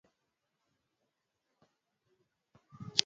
Kuwepo damu viungo vya ndani kwa mnyama aliyekufa na homa ya bonde la ufa